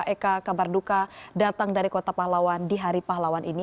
eka kabar duka datang dari kota pahlawan di hari pahlawan ini